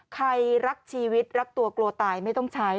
ใครรักชีวิตรักตัวกลัวตายไม่ต้องใช้